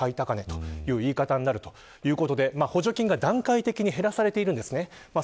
ですから、全体としては過去最高値という言い方になるということで、補助金が段階的に減らされているんです。